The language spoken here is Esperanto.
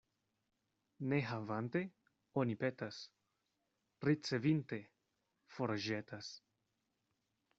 Ne havante, oni petas; ricevinte, forĵetas.